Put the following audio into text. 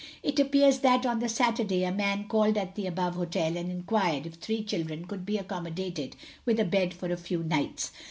It appears that on the Saturday, a man called at the above hotel, and inquired if three children could be accommodated with a bed for a few nights.